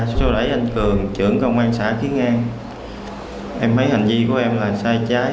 sau đấy anh cường trưởng công an xã kiến an em thấy hành vi của em là sai trái